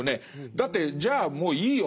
だってじゃあもういいよ